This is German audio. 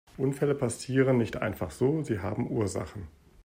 Unfälle passieren nicht einfach so, sie haben Ursachen.